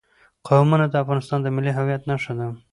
قومونه د افغانستان د ملي هویت نښه ده.